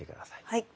はい。